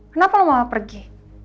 kenapa lo mau pergi